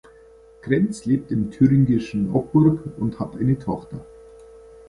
Krenz lebt im thüringischen Oppurg und hat eine Tochter.